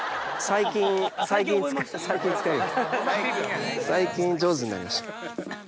最近上手になりました。